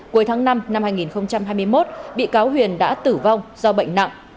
cuối tháng năm năm hai nghìn hai mươi một bị cáo huyền đã tử vong do bệnh nặng